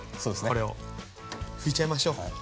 これを拭いちゃいましょう。